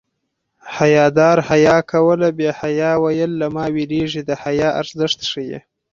حیادار حیا کوله بې حیا ویل له ما وېرېږي د حیا ارزښت ښيي